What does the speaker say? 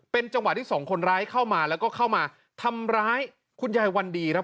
เป็นจังหวะที่สองคนร้ายเข้ามาแล้วก็เข้ามาทำร้ายคุณยายวันดีครับ